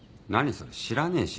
それ知らねえし。